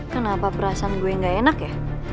kenapa perasaan gue gak enak ya